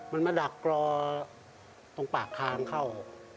มันมาดักรอตรงปากทางเข้า